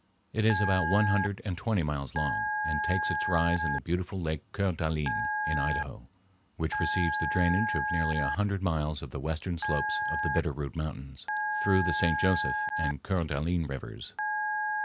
It is about one hundred and twenty miles long, and takes its rise in the beautiful Lake Coeur d'Alene, in Idaho, which receives the drainage of nearly a hundred miles of the western slopes of the Bitter Root Mountains, through the St. Joseph and Coeur d'Alene Rivers.